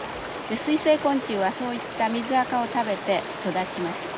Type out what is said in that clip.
水生昆虫はそういった水アカを食べて育ちます。